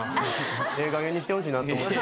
ええ加減にしてほしいなと思って。